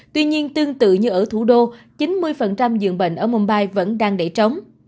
tuy nhiên tương tự như ở thủ đô chín mươi dương bệnh ở mumbai vẫn đang đẩy trống